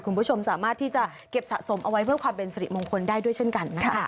คุณผู้ชมสามารถที่จะเก็บสะสมเอาไว้เพื่อความเป็นสิริมงคลได้ด้วยเช่นกันนะคะ